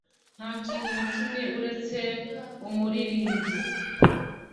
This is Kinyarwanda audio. Ntakintu nakimwe uretse umuririmbyi